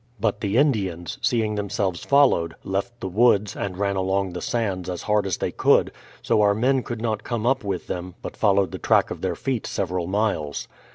But the Indians, seeing themselves followed, left the woods, and ran along the sands as hard as they could, so our men could not come up with them, but followed the track of their feet several miles.